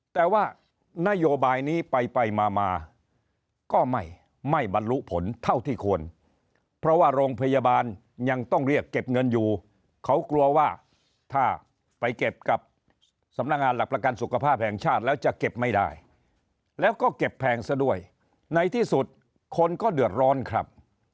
แต่ว่านโยบายนี้ไปไปมามาก็ไม่บรรลุผลเท่าที่ควรเพราะว่าโรงพยาบาลยังต้องเรียกเก็บเงินอยู่เขากลัวว่าถ้าไปเก็บกับสำนักงานหลักประกันสุขภาพแห่งชาติแล้วจะเก็บไม่ได้แล้วก็เก็บแพงซะด้วยในที่สุดคนก็เดือดร้อนครับ